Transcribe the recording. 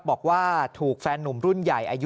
บอกว่าถูกแฟนหนุ่มรุ่นใหญ่อายุ